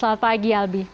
selamat pagi albi